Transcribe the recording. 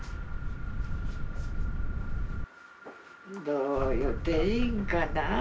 どう言っていいんかなぁ。